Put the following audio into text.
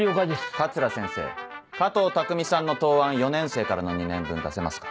桂先生加藤匠さんの答案４年生からの２年分出せますか。